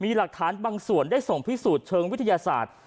มีหลักฐานบางส่วนได้ส่งพิสูจน์เชิงวิทยาศาสตร์